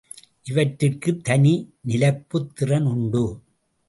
இவற்றிற்குத் தனி நிலைப்புத் திறன் உண்டு.